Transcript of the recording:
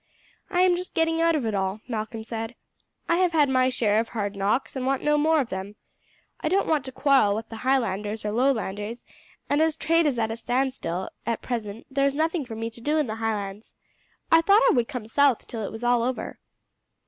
"I am just getting out of it all," Malcolm said. "I have had my share of hard knocks, and want no more of them. I don't want to quarrel with Highlanders or Lowlanders, and as trade is at a standstill at present, and there's nothing for me to do in the Highlands, I thought I would come south till it was all over.